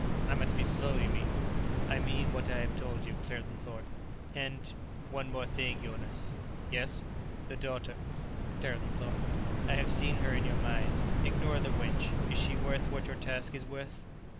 "I must be slow, you mean." "I mean what I have told you," Claerten thought. "And one more thing, Jonas." "Yes?" "The daughter," Claerten thought. "I have seen her in your mind. Ignore the wench. Is she worth what your task is worth?"